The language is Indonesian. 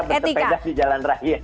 etika etika pesepeda di jalan raya